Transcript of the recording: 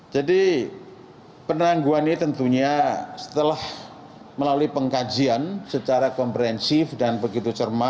jadi penerangguan ini tentunya setelah melalui pengkajian secara komprehensif dan begitu cermat